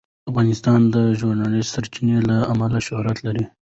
افغانستان د ژورې سرچینې له امله شهرت لري.